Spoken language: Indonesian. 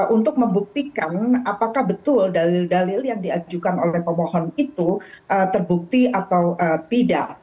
untuk membuktikan apakah betul dalil dalil yang diajukan oleh pemohon itu terbukti atau tidak